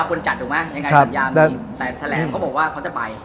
คนจัดถูกไหมในงานสัญญามีแต่แถลงเขาบอกว่าเขาจะไป